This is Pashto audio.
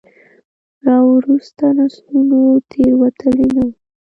راوروسته نسلونو تېروتلي نه وو.